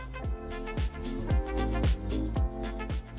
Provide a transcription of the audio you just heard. lalu pengganti pantograf